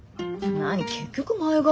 何結局前髪？